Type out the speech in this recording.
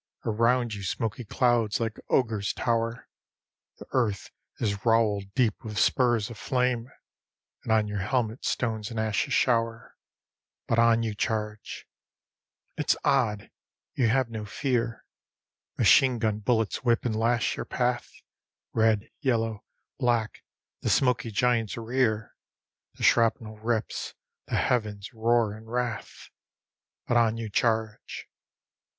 Around you smoky clouds like ogres tower; The earth is rowelled deep with spurs of flame, And on your helmet stones and ashes shower. BUT ON YOU CHARGE. It's odd! You have no fear. Machine gun bullets whip and lash your path; Red, yellow, black the smoky giants rear; The shrapnel rips, the heavens roar in wrath. _BUT ON YOU CHARGE.